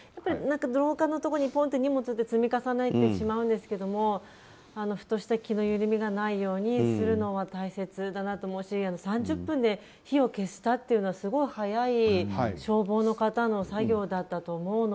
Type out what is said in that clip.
廊下のところにポンと荷物を置いて積み重ねてしまうんですがふとした気の緩みがないようにするのは大切だなと思うし３０分で火を消したっていうのはすごい早い消防の方の作業だったと思うし。